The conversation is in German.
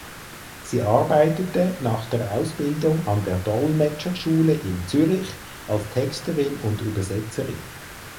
Sie arbeitete nach der Ausbildung an der Dolmetscherschule in Zürich als Texterin und Übersetzerin.